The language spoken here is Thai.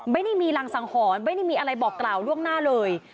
ไม่ได้มีรังสังหรณ์ไม่ได้มีอะไรบอกกล่าวล่วงหน้าเลย